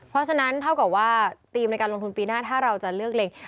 เพราะฉะนั้นเท่ากับว่าธีมในการลงทุนปีหน้าถ้าเราจะเลือกเล็ง